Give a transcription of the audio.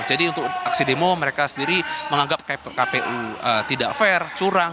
jadi untuk aksi demo mereka sendiri menganggap kpu tidak fair curang